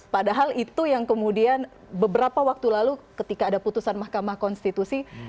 padahal itu yang kemudian beberapa waktu lalu ketika ada putusan mahkamah konstitusi